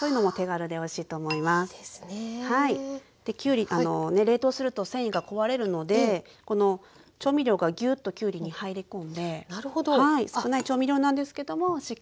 できゅうり冷凍すると繊維が壊れるのでこの調味料がぎゅっときゅうりに入り込んで少ない調味料なんですけどもしっかりソースになります。